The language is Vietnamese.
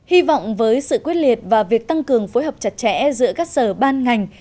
hy vọng với sự quyết liệt và việc tăng cường phối hợp chặt chẽ giữa các sở ban ngành